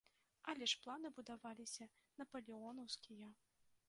Але ж планы будаваліся напалеонаўскія.